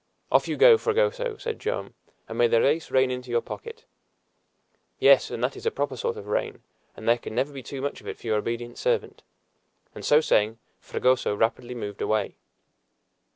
"Off you go, Fragoso," said Joam, "and may the reis rain into your pocket!" "Yes, and that is a proper sort of rain, and there can never be too much of it for your obedient servant." And so saying Fragoso rapidly moved away.